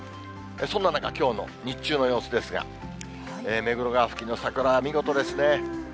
そんな中、きょうの日中の様子ですが、目黒川付近の桜は見事ですね。